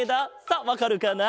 さあわかるかな？